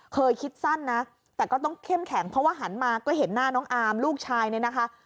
เคยคิดสั้นนะแต่ก็ต้องเข้มแข็งเพราะว่าหันมาก็เห็นหน้าน้องอามลูกชายเนี่ยนะคะ